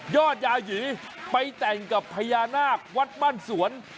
ยาหยีไปแต่งกับพญานาควัดบ้านสวน